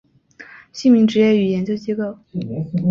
姓名职业与研究机构